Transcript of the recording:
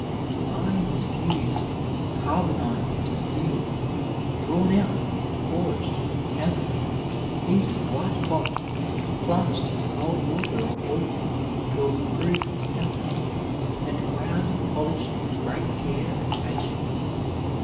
The iron is fused, carbonized into steel, drawn out, forged, tempered, heated white hot, plunged into cold water or oil to improve its temper, and ground and polished with great care and patience.